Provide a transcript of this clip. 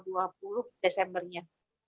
tidak tanggal dua puluh desembernya